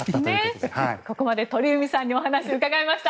ここまで鳥海さんにお話をお伺いしました。